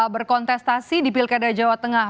berkontestasi di pilkada jawa tengah